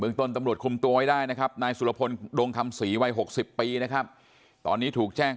เมืองต้นตำรวจคุมตัวได้นะครับสุรพลดงธรรมศรีไว้๖๐ปีนะครับตอนนี้ถูกแจ้ง